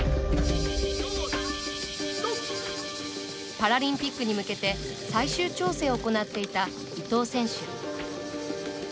パラリンピックに向けて最終調整を行っていた伊藤選手。